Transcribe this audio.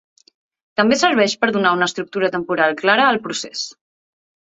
També serveix per donar una estructura temporal clara al procés.